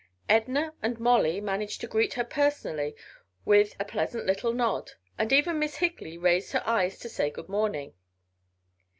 Edna and Molly managed to greet her personally with a pleasant little nod, and even Miss Higley raised her eyes to say good morning.